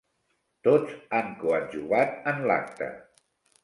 Tots han coadjuvat en l'acte.